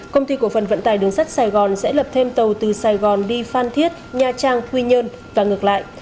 công ty cổ phần vận tài đường sắt sài gòn sẽ lập thêm tàu từ sài gòn đi phan thiết nha trang quy nhơn và ngược lại